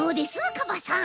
カバさん。